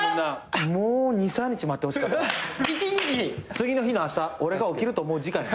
次の日の朝俺が起きると思う時間に。